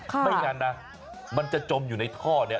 ไม่งั้นนะมันจะจมอยู่ในท่อนี้